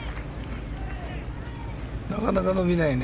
なかなか伸びないね。